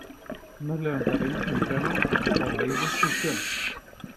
Nos levantaremos temprano para ir de excursión.